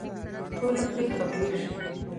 ټول پرې خبرېږي.